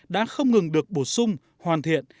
đã không ngừng được bổ sung hoàn thiện